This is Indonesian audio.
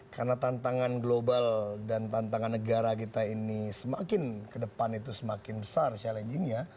karena tantangan global dan tantangan negara kita ini semakin ke depan itu semakin besar challengingnya